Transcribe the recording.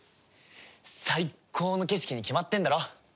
最高の景色に決まってんだろ。